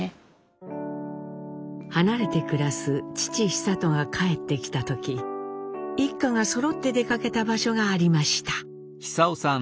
離れて暮らす父久渡が帰ってきた時一家がそろって出かけた場所がありました。